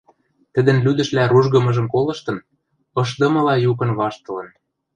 тӹдӹн лӱдӹшлӓ ружгымыжым колыштын, ышдымыла юкын ваштылын...